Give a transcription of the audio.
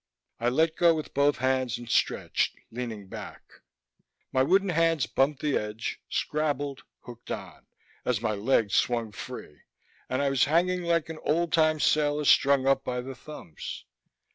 I let go with both hands and stretched, leaning back.... My wooden hands bumped the edge, scrabbled, hooked on, as my legs swung free, and I was hanging like an old time sailor strung up by the thumbs.